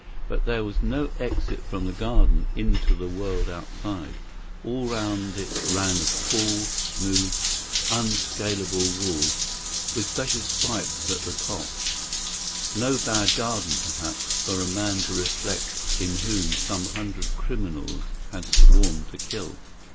But there was no exit from the garden into the world outside; all round it ran a tall, smooth, unscalable wall with special spikes at the top; no bad garden, perhaps, for a man to reflect in whom some hundred criminals had sworn to kill.